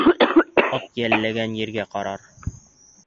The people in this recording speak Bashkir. Ат йәлләгән ергә ҡарар